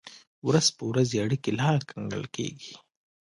ورځ په ورځ یې اړیکې لا ګنګل کېږي.